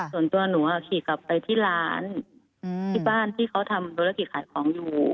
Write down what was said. ส่วนตัวหนูขี่กลับไปที่ร้านที่บ้านที่เขาทำธุรกิจขายของอยู่